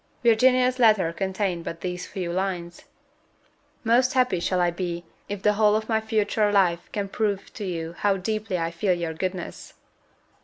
Virginia's letter contained but these few lines: "Most happy shall I be if the whole of my future life can prove to you how deeply I feel your goodness.